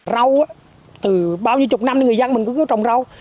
rau từ bao nhiêu chục năm thì người dân mình cứ trồng rau